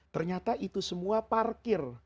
ternyata itu semua parkir